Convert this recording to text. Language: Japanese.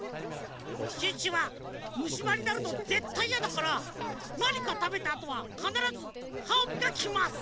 シュッシュはむしばになるのぜったいやだからなにかたべたあとはかならずはをみがきます。